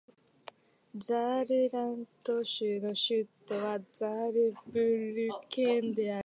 ザールラント州の州都はザールブリュッケンである